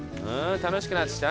楽しくなって来た？